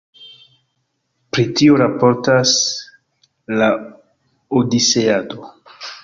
Pri tio raportas la Odiseado.